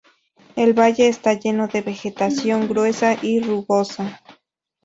El valle esta lleno de vegetación gruesa y rugosa.